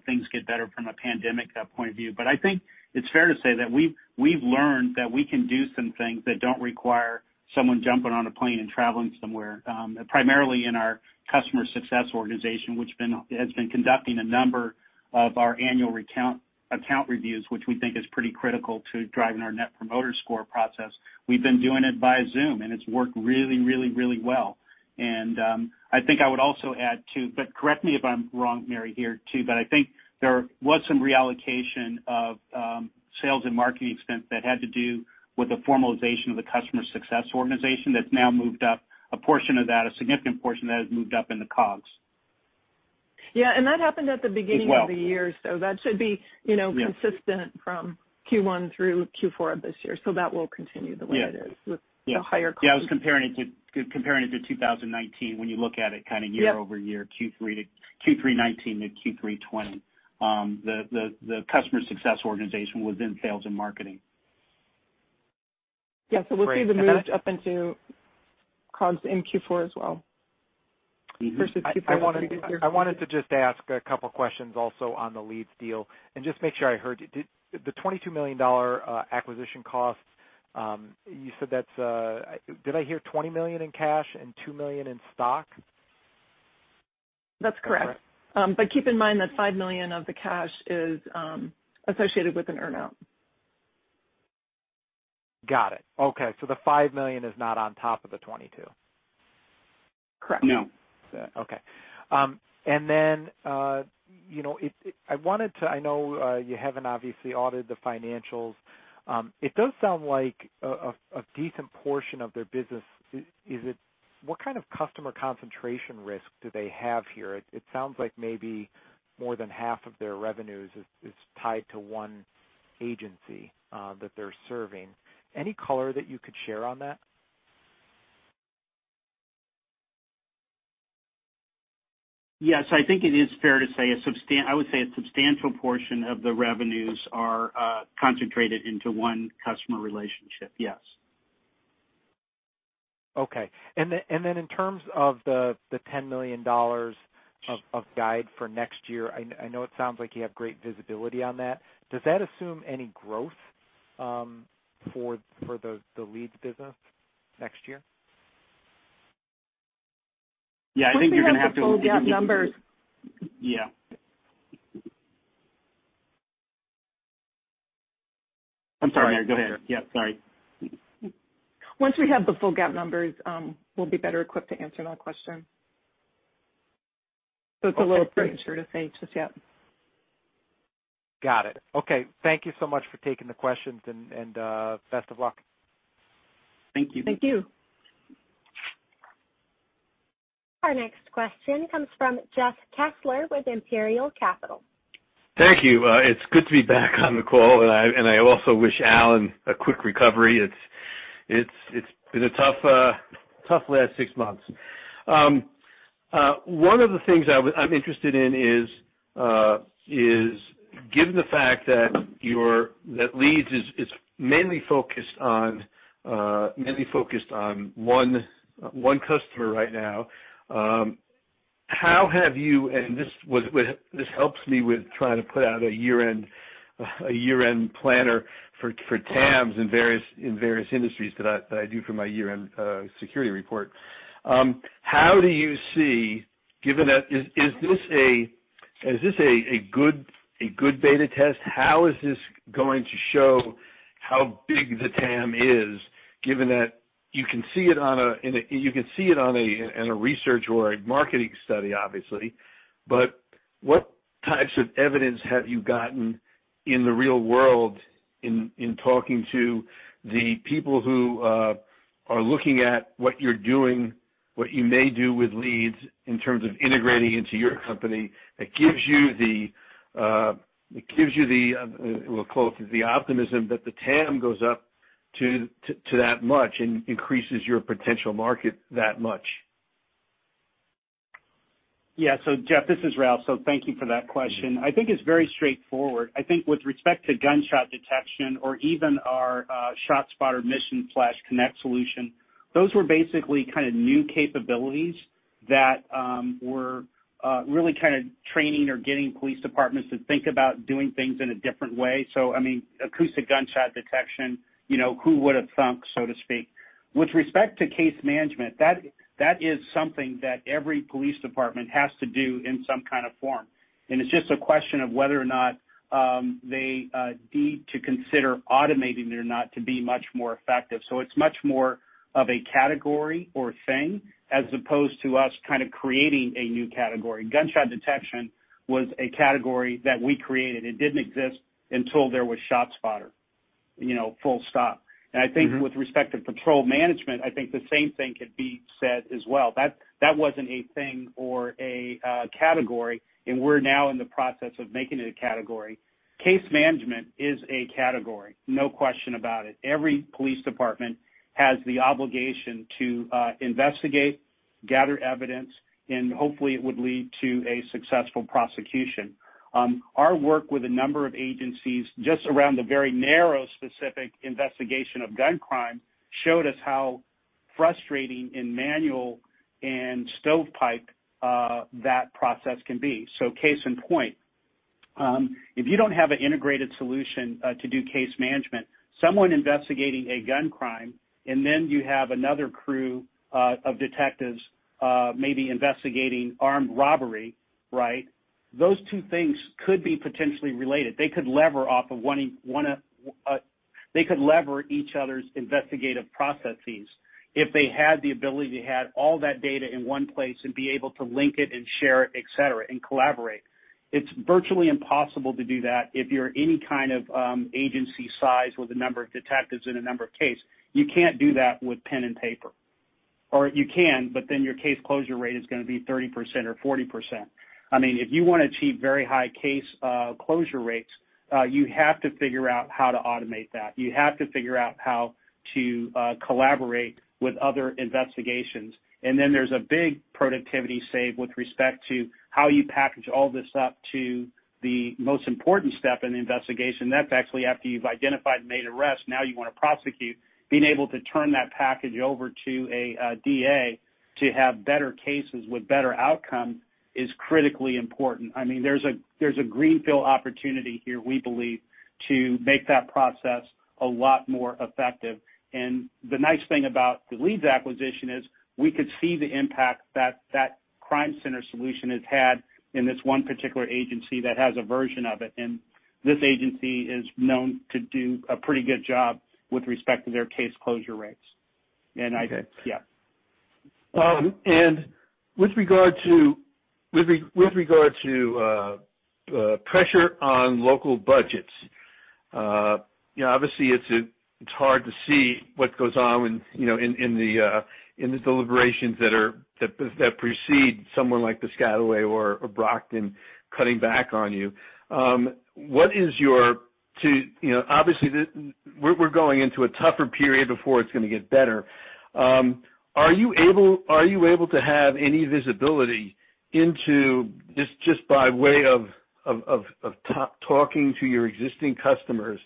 things get better from a pandemic point of view. I think it's fair to say that we've learned that we can do some things that don't require someone jumping on a plane and traveling somewhere. Primarily in our customer success organization, which has been conducting a number of our annual account reviews, which we think is pretty critical to driving our Net Promoter Score process. We've been doing it via Zoom, and it's worked really well. I think I would also add too, but correct me if I'm wrong, Mary, here too, but I think there was some reallocation of sales and marketing expense that had to do with the formalization of the customer success organization that's now moved up, a portion of that, a significant portion of that, has moved up in the COGS. Yeah. That happened at the beginning of the year. That should be consistent from Q1 through Q4 of this year. That will continue the way it is with the higher COGS. Yeah, I was comparing it to 2019. When you look at it kind of year-over-year Q3 2019 to Q3 2020. The customer success organization was in sales and marketing. Yeah. We'll see the move up into COGS in Q4 as well versus Q4 of previous years. I wanted to just ask a couple questions also on the Leeds deal and just make sure I heard. The $22 million acquisition cost, did I hear $20 million in cash and $2 million in stock? That's correct. Keep in mind that $5 million of the cash is associated with an earn-out. Got it. Okay. The $5 million is not on top of the $22 million. Correct. No. Okay. I know you haven't obviously audited the financials. It does sound like a decent portion of their business is it. What kind of customer concentration risk do they have here? It sounds like maybe more than half of their revenues is tied to one agency that they're serving. Any color that you could share on that? I think it is fair to say, I would say a substantial portion of the revenues are concentrated into one customer relationship. Okay. Then in terms of the $10 million of guide for next year, I know it sounds like you have great visibility on that. Does that assume any growth for the Leeds business next year? Yeah. *crosstalk* the full GAAP numbers. Yeah. I'm sorry, go ahead. Yeah, sorry. Once we have the full GAAP numbers, we'll be better equipped to answer that question. It's a little premature to say just yet. Got it. Okay, thank you so much for taking the questions, and best of luck. Thank you. Thank you. Our next question comes from Jeff Kessler with Imperial Capital. Thank you. It's good to be back on the call, and I also wish Alan a quick recovery. It's been a tough last six months. One of the things I'm interested in is, given the fact that Leeds is mainly focused on one customer right now. This helps me with trying to put out a year-end planner for TAMs in various industries that I do for my year-end security report. Is this a good beta test? How is this going to show how big the TAM is, given that you can see it in a research or a marketing study, obviously. What types of evidence have you gotten in the real world in talking to the people who are looking at what you're doing, what you may do with Leeds in terms of integrating into your company that gives you the, we'll call it, the optimism that the TAM goes up to that much and increases your potential market that much? Yeah. Jeff, this is Ralph. Thank you for that question. I think it's very straightforward. I think with respect to gunshot detection or even our ShotSpotter Missions/Connect solution, those were basically kind of new capabilities that were really kind of training or getting police departments to think about doing things in a different way. I mean, acoustic gunshot detection, who would have thunk, so to speak. With respect to case management, that is something that every police department has to do in some kind of form, and it's just a question of whether or not they need to consider automating it or not to be much more effective. It's much more of a category or thing as opposed to us kind of creating a new category. Gunshot detection was a category that we created. It didn't exist until there was ShotSpotter. Full stop. I think with respect to patrol management, I think the same thing could be said as well. That wasn't a thing or a category, and we're now in the process of making it a category. Case management is a category, no question about it. Every police department has the obligation to investigate, gather evidence, and hopefully it would lead to a successful prosecution. Our work with a number of agencies, just around the very narrow, specific investigation of gun crime, showed us how frustrating and manual and stovepipe that process can be. Case in point, if you don't have an integrated solution to do case management, someone investigating a gun crime, and then you have another crew of detectives maybe investigating armed robbery, right? Those two things could be potentially related. They could lever each other's investigative processes if they had the ability to have all that data in one place and be able to link it and share it, et cetera, and collaborate. It's virtually impossible to do that if you're any kind of agency size with a number of detectives and a number of cases. You can't do that with pen and paper. You can, but then your case closure rate is going to be 30% or 40%. If you want to achieve very high case closure rates, you have to figure out how to automate that. You have to figure out how to collaborate with other investigations. Then there's a big productivity save with respect to how you package all this up to the most important step in the investigation. That's actually after you've identified and made arrests, now you want to prosecute. Being able to turn that package over to a DA to have better cases with better outcome is critically important. There's a greenfield opportunity here, we believe, to make that process a lot more effective. The nice thing about the Leeds acquisition is we could see the impact that that CrimeCenter solution has had in this one particular agency that has a version of it, and this agency is known to do a pretty good job with respect to their case closure rates. Okay. Yeah. With regard to pressure on local budgets, obviously it's hard to see what goes on in the deliberations that precede someone like Piscataway or Brockton cutting back on you. Obviously, we're going into a tougher period before it's going to get better. Are you able to have any visibility into, just by way of talking to your existing customers,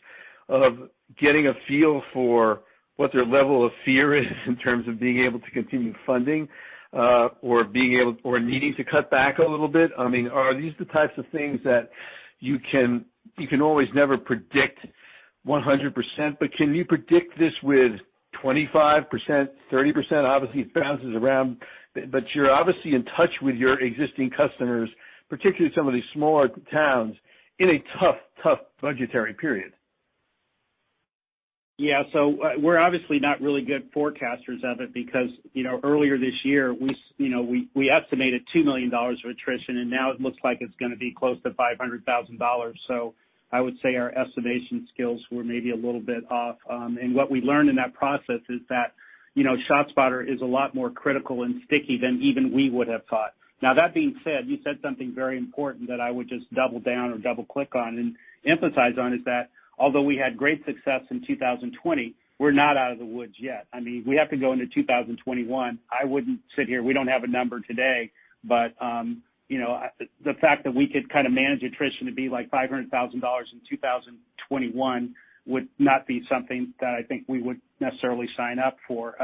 of getting a feel for what their level of fear is in terms of being able to continue funding, or needing to cut back a little bit? Are these the types of things that you can always never predict 100%, but can you predict this with 25%, 30%? Obviously, it bounces around, but you're obviously in touch with your existing customers, particularly some of these smaller towns, in a tough budgetary period. Yeah. We're obviously not really good forecasters of it because earlier this year, we estimated $2 million of attrition, and now it looks like it's going to be close to $500,000. I would say our estimation skills were maybe a little bit off. What we learned in that process is that ShotSpotter is a lot more critical and sticky than even we would have thought. Now, that being said, you said something very important that I would just double down or double click on and emphasize on, is that although we had great success in 2020, we're not out of the woods yet. We have to go into 2021. I wouldn't sit here, we don't have a number today, but the fact that we could kind of manage attrition to be like $500,000 in 2021 would not be something that I think we would necessarily sign up for.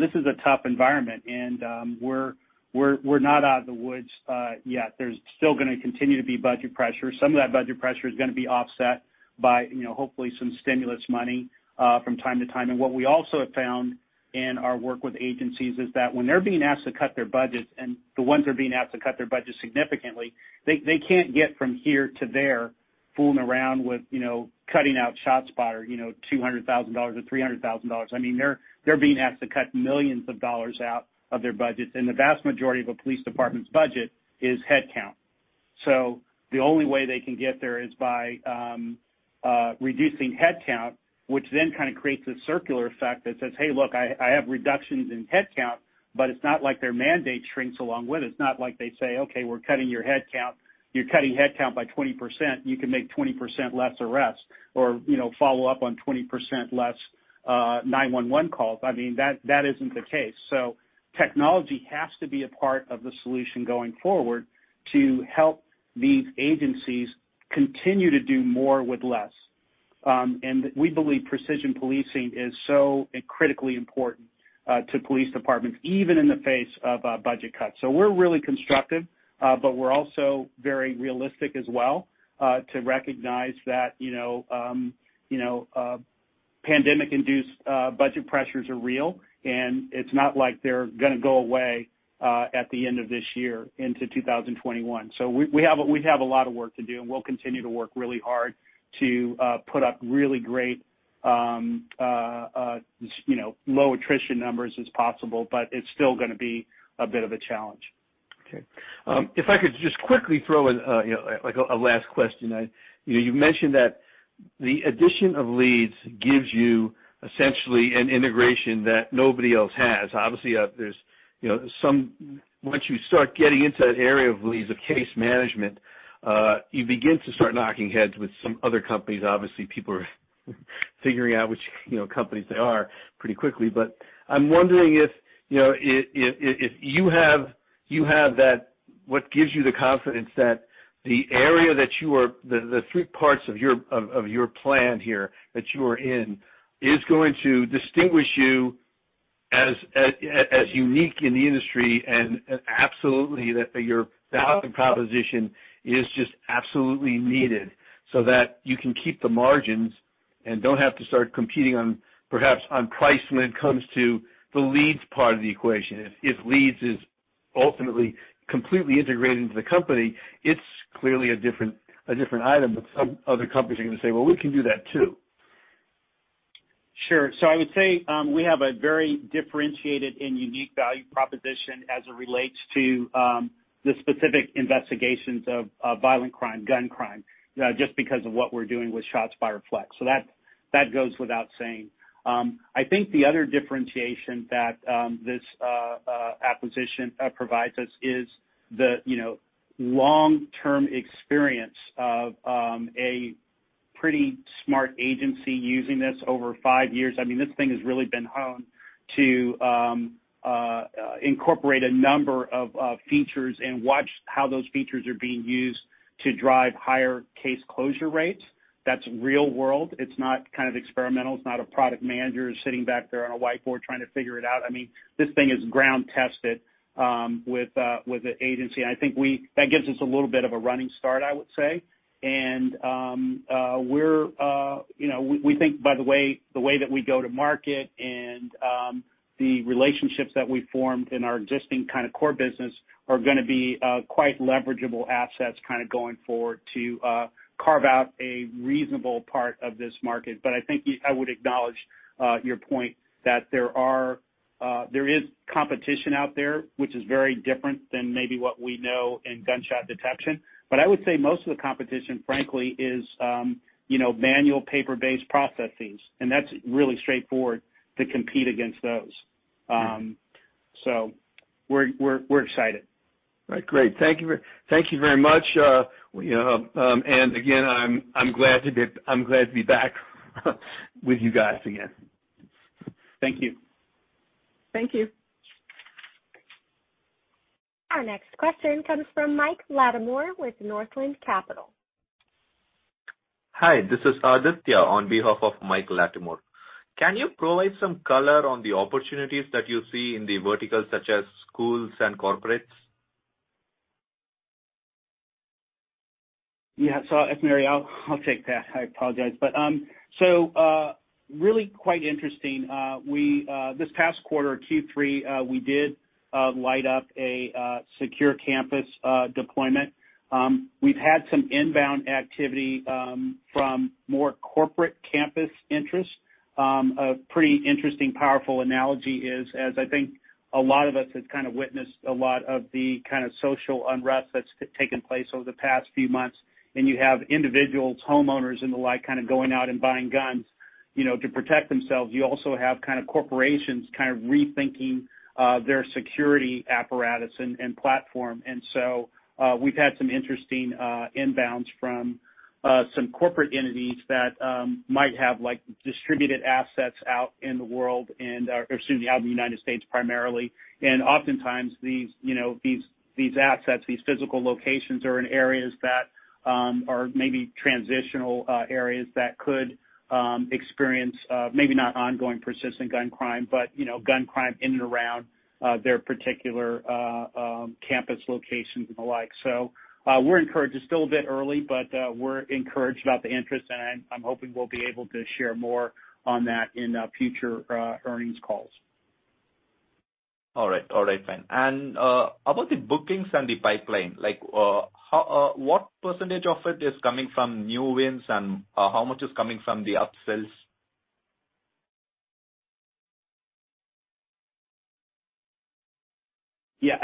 This is a tough environment, and we're not out of the woods yet. There's still going to continue to be budget pressure. Some of that budget pressure is going to be offset by hopefully some stimulus money from time to time. What we also have found in our work with agencies is that when they're being asked to cut their budgets, and the ones are being asked to cut their budgets significantly, they can't get from here to there fooling around with cutting out ShotSpotter, $200,000 or $300,000. They're being asked to cut millions of dollars out of their budgets, and the vast majority of a police department's budget is headcount. The only way they can get there is by reducing headcount, which then kind of creates this circular effect that says, "Hey, look, I have reductions in headcount," but it's not like their mandate shrinks along with it. It's not like they say, "Okay, we're cutting your headcount. You're cutting headcount by 20%, you can make 20% less arrests, or follow up on 20% less 911 calls." That isn't the case. Technology has to be a part of the solution going forward to help these agencies continue to do more with less. We believe precision policing is so critically important to police departments, even in the face of budget cuts. We're really constructive, but we're also very realistic as well, to recognize that pandemic-induced budget pressures are real, and it's not like they're going to go away at the end of this year into 2021. We have a lot of work to do, and we'll continue to work really hard to put up really great low attrition numbers as possible. It's still going to be a bit of a challenge. Okay. If I could just quickly throw in a last question. You mentioned that the addition of Leeds gives you essentially an integration that nobody else has. Obviously, once you start getting into that area of Leeds, of case management, you begin to start knocking heads with some other companies. Obviously, people are figuring out which companies they are pretty quickly. I'm wondering if you have what gives you the confidence that the area, the three parts of your plan here that you are in, is going to distinguish you as unique in the industry, and absolutely that your value proposition is just absolutely needed so that you can keep the margins and don't have to start competing, perhaps, on price when it comes to the Leeds part of the equation. If Leeds is ultimately completely integrated into the company, it's clearly a different item, but some other companies are going to say, "Well, we can do that too. Sure. I would say we have a very differentiated and unique value proposition as it relates to the specific investigations of violent crime, gun crime, just because of what we're doing with ShotSpotter Flex. That goes without saying. I think the other differentiation that this acquisition provides us is the long-term experience of a pretty smart agency using this over five years. This thing has really been honed to incorporate a number of features and watch how those features are being used to drive higher case closure rates. That's real-world. It's not experimental. It's not a product manager sitting back there on a whiteboard trying to figure it out. This thing is ground tested with an agency. I think that gives us a little bit of a running start, I would say. We think, by the way that we go to market, and the relationships that we formed in our existing core business are going to be quite leverageable assets going forward to carve out a reasonable part of this market. I think I would acknowledge your point that there is competition out there, which is very different than maybe what we know in gunshot detection. I would say most of the competition, frankly, is manual paper-based processes, and that's really straightforward to compete against those. We're excited. Right. Great. Thank you very much. Again, I'm glad to be back with you guys again. Thank you. Thank you. Our next question comes from Mike Latimore with Northland Capital. Hi, this is Aditya on behalf of Michael Latimore. Can you provide some color on the opportunities that you see in the verticals such as schools and corporates? Yeah. If, Mary, I'll take that. I apologize. Really quite interesting. This past quarter, Q3, we did light up a secure campus deployment. We've had some inbound activity from more corporate campus interest. A pretty interesting, powerful analogy is, as I think a lot of us have kind of witnessed a lot of the kind of social unrest that's taken place over the past few months, and you have individuals, homeowners, and the like, going out and buying guns to protect themselves. You also have corporations rethinking their security apparatus and platform. We've had some interesting inbounds from some corporate entities that might have distributed assets out in the world, excuse me, out in the United States primarily. Oftentimes these assets, these physical locations, are in areas that are maybe transitional areas that could experience maybe not ongoing persistent gun crime, but gun crime in and around their particular campus locations and the like. It's still a bit early, but we're encouraged about the interest, and I'm hoping we'll be able to share more on that in future earnings calls. All right, fine. About the bookings and the pipeline, what percentage of it is coming from new wins, and how much is coming from the upsells? Yeah.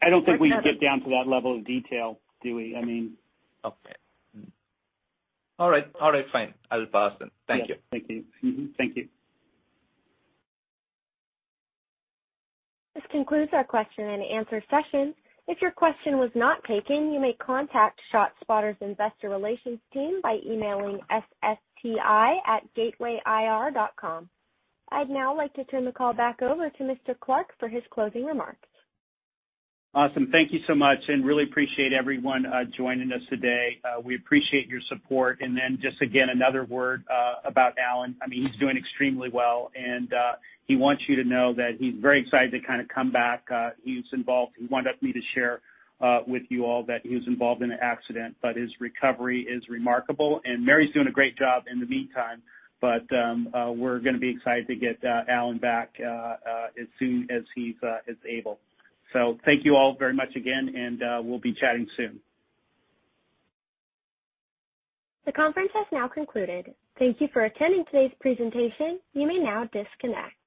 I don't think we can get down to that level of detail, do we? Okay. All right, fine. I'll pass then. Thank you. Thank you. Mm-hmm. Thank you. This concludes our question and answer session. If your question was not taken, you may contact ShotSpotter's investor relations team by emailing ssti@gatewayir.com. I'd now like to turn the call back over to Mr. Clark for his closing remarks. Awesome. Thank you so much, and really appreciate everyone joining us today. We appreciate your support. Just again, another word about Alan. He's doing extremely well, and he wants you to know that he's very excited to come back. He wanted me to share with you all that he was involved in an accident, but his recovery is remarkable. Mary's doing a great job in the meantime. We're going to be excited to get Alan back as soon as he is able. Thank you all very much again, and we'll be chatting soon. The conference has now concluded. Thank you for attending today's presentation. You may now disconnect.